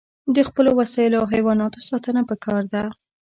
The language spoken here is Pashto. د خپلو وسایلو او حیواناتو ساتنه پکار ده.